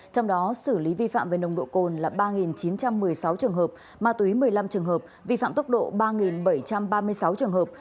trong đó xử lý vi phạm về nồng độ cồn là ba chín trăm một mươi sáu trường hợp ma túy một mươi năm trường hợp vi phạm tốc độ ba bảy trăm ba mươi sáu trường hợp